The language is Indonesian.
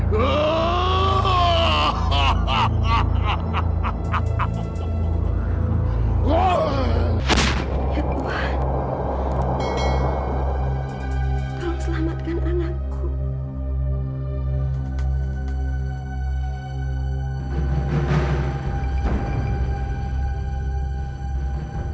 ya tuhan tolong selamatkan anakku